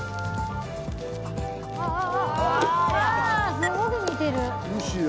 すごく似てる。